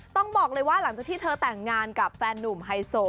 ต้องบอกเลยว่าหลังจากที่เธอแต่งงานกับแฟนนุ่มไฮโซ